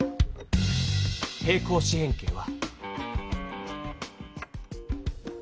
平行四辺形は。